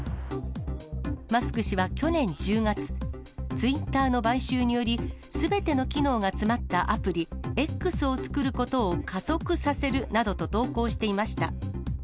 マスク氏は去年１０月、ツイッターの買収により、すべての機能が詰まったアプリ、Ｘを作ることを加速させるなどと投稿していました。